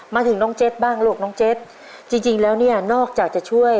มาถึงน้องเจ็ดบ้างลูกน้องเจ็ดจริงจริงแล้วเนี่ยนอกจากจะช่วย